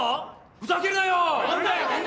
ふざけるなよ！